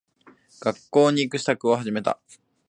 学校に行く支度を始めた。